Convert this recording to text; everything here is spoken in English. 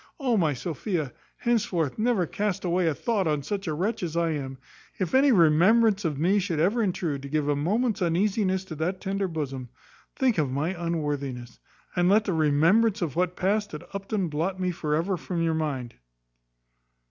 O my Sophia! henceforth never cast away a thought on such a wretch as I am. If any remembrance of me should ever intrude to give a moment's uneasiness to that tender bosom, think of my unworthiness; and let the remembrance of what passed at Upton blot me for ever from your mind."